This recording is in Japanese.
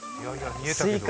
スイカ